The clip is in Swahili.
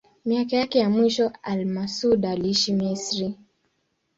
Miaka yake ya mwisho al-Masudi aliishi Misri.